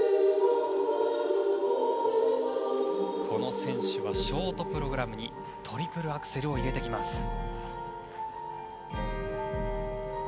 この選手はショートプログラムにトリプルアクセルを入れてきます。